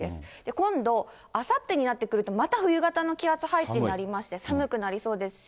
今度、あさってになってくると、また冬型の気圧配置になりまして、寒くなりそうですし、